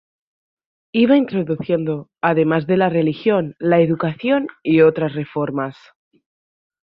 Iba introduciendo, además de la religión, la educación y otras reformas.